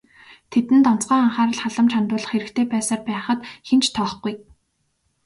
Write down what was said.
Тэдэнд онцгой анхаарал халамж хандуулах хэрэгтэй байсаар байхад хэн ч тоохгүй.